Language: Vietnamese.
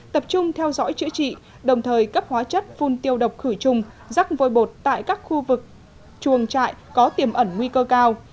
tập trung theo dõi chữa trị đồng thời cấp hóa chất phun tiêu độc khử trùng rắc vôi bột tại các khu vực chuồng trại có tiềm ẩn nguy cơ cao